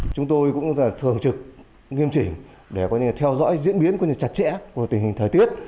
chúng tôi cũng thường trực nghiêm chỉnh để theo dõi diễn biến chặt chẽ của tình hình thời tiết